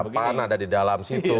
pan ada di dalam situ